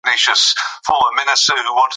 تاسو باید د خپل هیواد په تاریخ وویاړئ.